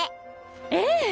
ええ！